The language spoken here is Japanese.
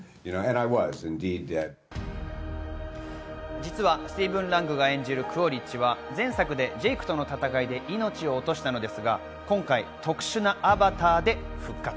実はスティーヴン・ラングが演じるクオリッチは前作でジェイクとの戦いで命を落としたのですが、今回特殊なアバターで復活。